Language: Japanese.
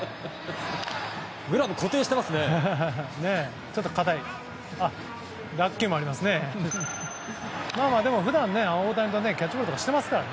グラブ、固定してますね。